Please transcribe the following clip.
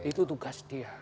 itu tugas dia